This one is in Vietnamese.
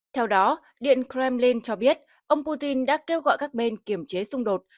theo đó điện kremlin cho biết ông putin đã kêu gọi các bên kiểm chế xung đột